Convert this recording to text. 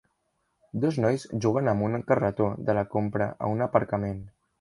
Dos nois juguen amb un carretó de la compra a un aparcament.